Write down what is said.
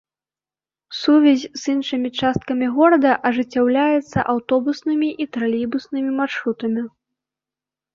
Сувязь з іншымі часткамі горада ажыццяўляецца аўтобуснымі і тралейбуснымі маршрутамі.